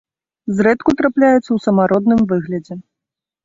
Зрэдку трапляецца ў самародным выглядзе.